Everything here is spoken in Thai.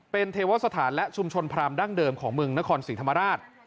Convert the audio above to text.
เป็นเทวสถานและชุมชนพรามดั้งเดิมของเมืองนครศรีธรรมราช